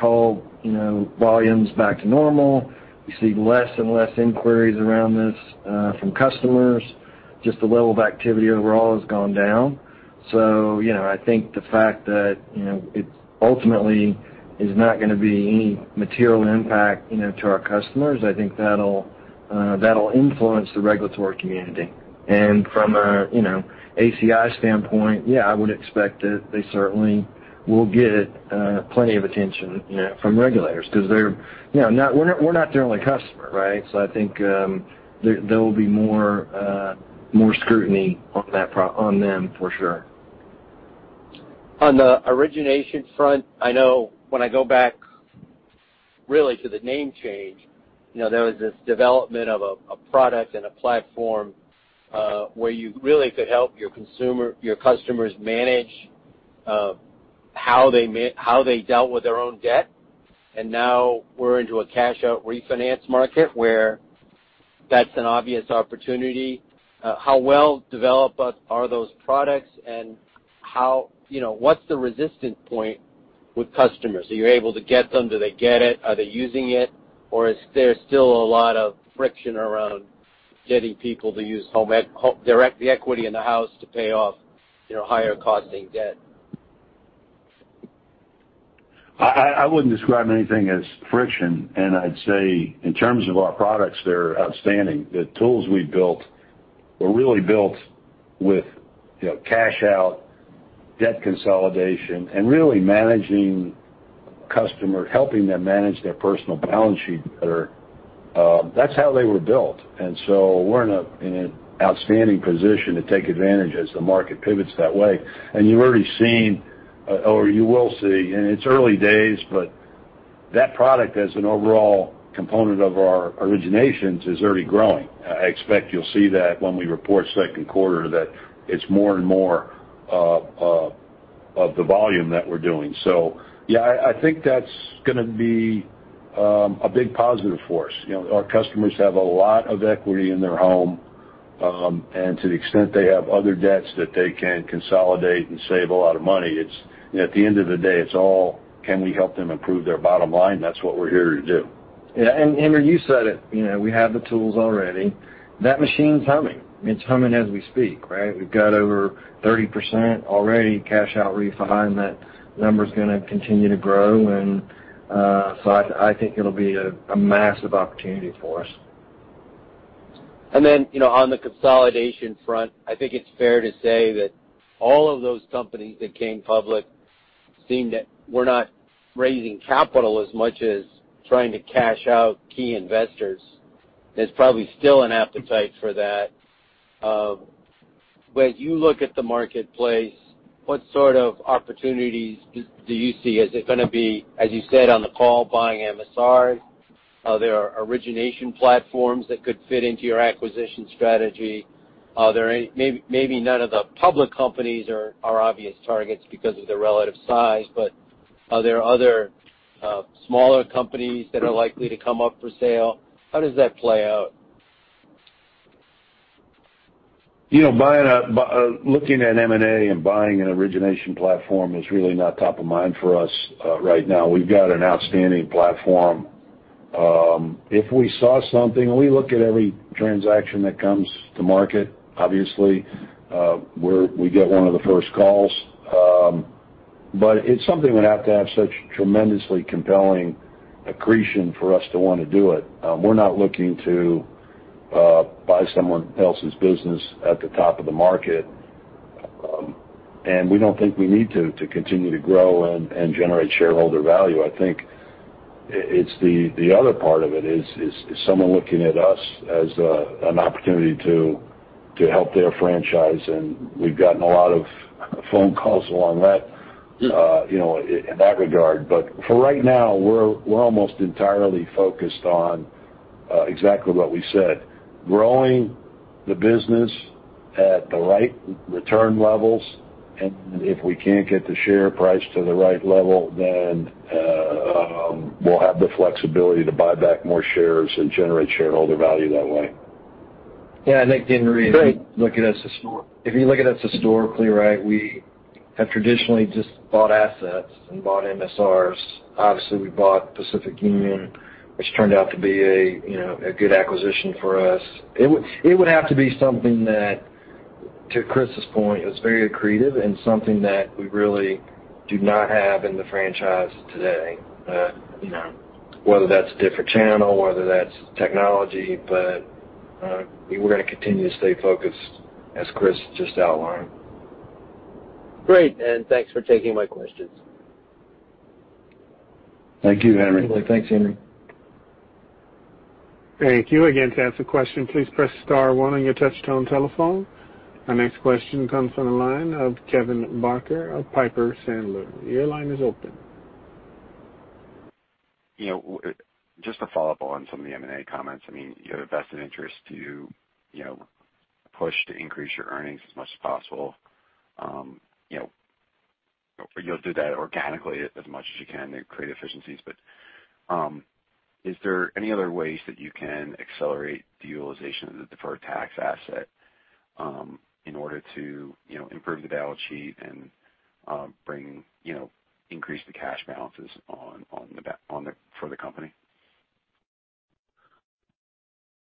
volumes back to normal. We see less and less inquiries around this from customers. Just the level of activity overall has gone down. I think the fact that it ultimately is not going to be any material impact to our customers, I think that'll influence the regulatory community. From an ACI standpoint, yeah, I would expect that they certainly will get plenty of attention from regulators because we're not their only customer, right. I think there will be more scrutiny on them for sure. On the origination front, I know when I go back really to the name change, there was this development of a product and a platform where you really could help your customers manage how they dealt with their own debt. Now we're into a cash-out refinance market where that's an obvious opportunity. How well developed are those products, and what's the resistance point with customers? Are you able to get them? Do they get it? Are they using it, or is there still a lot of friction around getting people to use the equity in the house to pay off higher costing debt? I wouldn't describe anything as friction, and I'd say in terms of our products, they're outstanding. The tools we built were really built with cash out, debt consolidation, and really helping the customer manage their personal balance sheet better. That's how they were built. We're in an outstanding position to take advantage as the market pivots that way. You've already seen, or you will see, and it's early days, but that product as an overall component of our originations is already growing. I expect you'll see that when we report Q2, that it's more and more of the volume that we're doing. Yeah, I think that's going to be a big positive for us. Our customers have a lot of equity in their home. To the extent they have other debts that they can consolidate and save a lot of money, at the end of the day, it's all, can we help them improve their bottom line? That's what we're here to do. Yeah. Henry, you said it. We have the tools already. That machine's humming. It's humming as we speak, right? We've got over 30% already cash-out refi. That number's going to continue to grow. I think it'll be a massive opportunity for us. On the consolidation front, I think it's fair to say that all of those companies that came public seemed that were not raising capital as much as trying to cash out key investors. There's probably still an appetite for that. When you look at the marketplace, what sort of opportunities do you see? Is it going to be, as you said on the call, buying MSRs? Are there origination platforms that could fit into your acquisition strategy? Maybe none of the public companies are obvious targets because of their relative size, but are there other smaller companies that are likely to come up for sale? How does that play out? Looking at M&A and buying an origination platform is really not top of mind for us right now. We've got an outstanding platform. If we saw something, we look at every transaction that comes to market. Obviously, we get one of the first calls. It's something that would have to have such tremendously compelling accretion for us to want to do it. We're not looking to buy someone else's business at the top of the market, and we don't think we need to continue to grow and generate shareholder value. I think it's the other part of it is someone looking at us as an opportunity to help their franchise, and we've gotten a lot of phone calls in that regard. For right now, we're almost entirely focused on exactly what we said. Growing the business at the right return levels, and if we can't get the share price to the right level, then we'll have the flexibility to buy back more shares and generate shareholder value that way. Yeah. I think, Henry Coffey, if you look at us historically, we have traditionally just bought assets and bought MSRs. Obviously, we bought Pacific Union Financial, which turned out to be a good acquisition for us. It would have to be something that, to Chris Marshall's point, is very accretive and something that we really do not have in the franchise today. Whether that's a different channel, whether that's technology. We're going to continue to stay focused, as Chris Marshall just outlined. Great, thanks for taking my questions. Thank you, Henry. Thanks, Henry. Thank you. Again, to ask a question, please press star one on your touchtone telephone. Our next question comes from the line of Kevin Barker of Piper Sandler. Your line is open. Just to follow up on some of the M&A comments. You have a vested interest to push to increase your earnings as much as possible. You'll do that organically as much as you can and create efficiencies. Are there any other ways that you can accelerate the utilization of the deferred tax asset in order to improve the balance sheet and increase the cash balances for the company?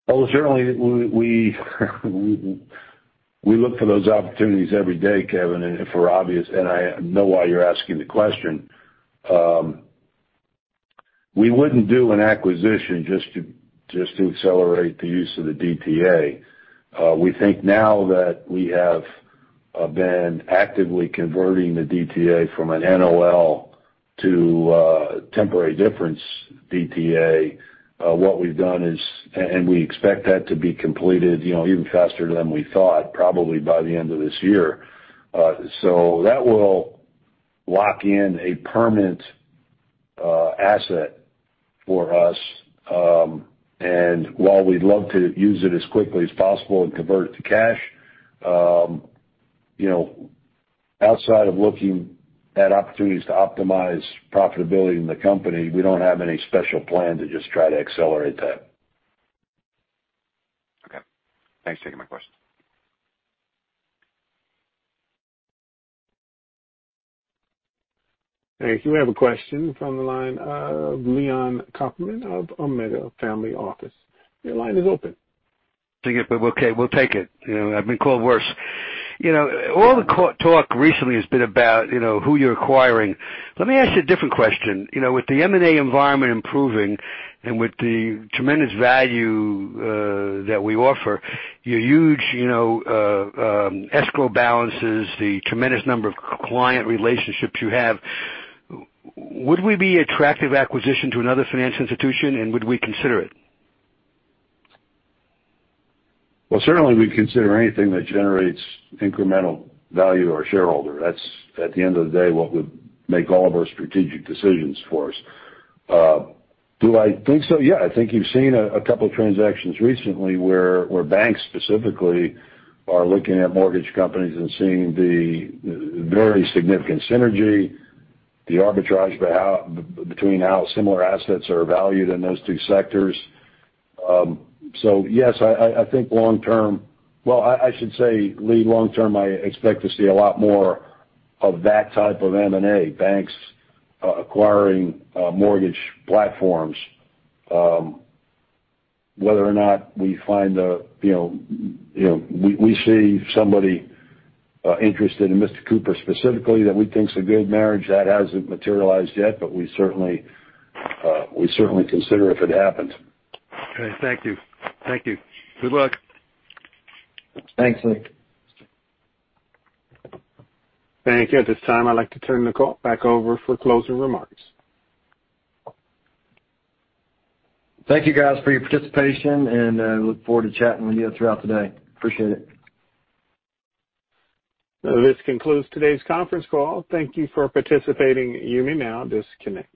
Well, certainly, we look for those opportunities every day, Kevin. I know why you're asking the question. We wouldn't do an acquisition just to accelerate the use of the DTA. We think now that we have been actively converting the DTA from an NOL to a temporary difference DTA. We expect that to be completed even faster than we thought, probably by the end of this year. That will lock in a permanent asset for us. While we'd love to use it as quickly as possible and convert it to cash, outside of looking at opportunities to optimize profitability in the company, we don't have any special plan to just try to accelerate that. Okay. Thanks for taking my question. Thank you. We have a question from the line of Leon Cooperman of Omega Family Office. Your line is open. Okay, we'll take it. I've been called worse. All the talk recently has been about who you're acquiring. Let me ask you a different question. With the M&A environment improving and with the tremendous value that we offer, your huge escrow balances, the tremendous number of client relationships you have, would we be attractive acquisition to another financial institution and would we consider it? Well, certainly we'd consider anything that generates incremental value to our shareholder. That's, at the end of the day, what would make all of our strategic decisions for us. Do I think so? Yeah. I think you've seen a couple of transactions recently where banks specifically are looking at mortgage companies and seeing the very significant synergy, the arbitrage between how similar assets are valued in those two sectors. Yes, I think, well, I should say, Leon, long term, I expect to see a lot more of that type of M&A, banks acquiring mortgage platforms. Whether or not we see somebody interested in Mr. Cooper specifically that we think is a good marriage, that hasn't materialized yet, but we'd certainly consider if it happened. Okay. Thank you. Good luck. Thanks, Leon. Thank you. At this time, I'd like to turn the call back over for closing remarks. Thank you, guys, for your participation and look forward to chatting with you throughout the day. Appreciate it. This concludes today's conference call. Thank you for participating. You may now disconnect.